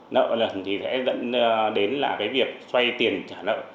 nợ lần thì sẽ dẫn đến việc xoay tiền trả nợ